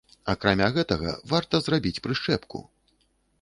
Акрамя гэтага варта зрабіць прышчэпку.